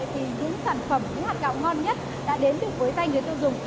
thì những sản phẩm những hạt gạo ngon nhất đã đến từ cuối tay người tiêu dùng